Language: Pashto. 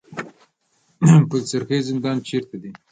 پل چرخي زندان چیرته دی؟